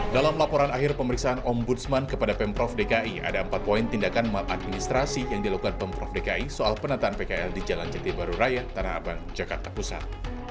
dalam laporan akhir pemeriksaan ombudsman kepada pemprov dki ada empat poin tindakan maladministrasi yang dilakukan pemprov dki soal penataan pkl di jalan jati baru raya tanah abang jakarta pusat